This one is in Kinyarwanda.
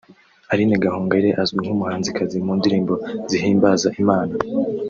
Aline Gahongayire azwi nk’umuhanzikazi mu ndirimbo zihimbaza Imana